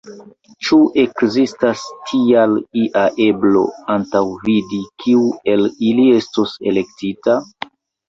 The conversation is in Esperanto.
Ĉu ekzistas tial ia eblo antaŭvidi, kiu el ili estos elektita?